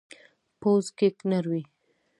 پوخ کیک نر وي